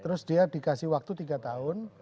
terus dia dikasih waktu tiga tahun